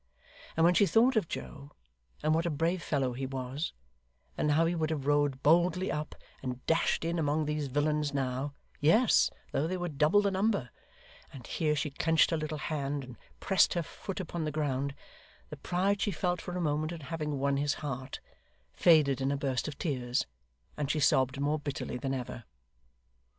And when she thought of Joe, and what a brave fellow he was, and how he would have rode boldly up, and dashed in among these villains now, yes, though they were double the number and here she clenched her little hand, and pressed her foot upon the ground the pride she felt for a moment in having won his heart, faded in a burst of tears, and she sobbed more bitterly than ever.